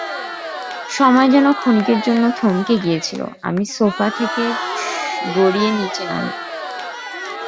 সময় যেন ক্ষণিকের জন্য থমকে গিয়েছিল, আমি সোফা থেকে গড়িয়ে নিচে নামি।